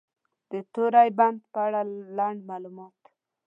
د توری بند په اړه لنډ معلومات: